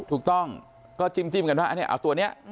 ถูกต้องก็จิ้มกันว่าเอาตัวนี้